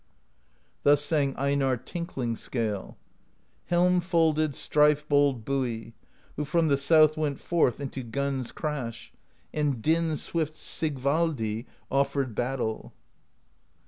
Thus sang Einarr Tinkling Scale: Helm folded strife bold Bui, — Who from the south went forth Into Gunn's Crash, — and din swift Sigvaldi off^ered battle.